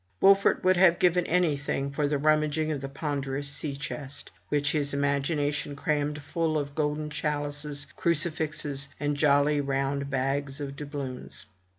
Wolfert would have given anything for the rummaging of the ponderous sea chest, which his imagination crammed full of golden chalices, crucifixes, and jolly round bags of doubloons.